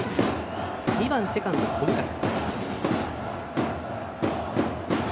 ２番セカンド・小深田。